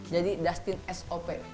jadi dustin s o p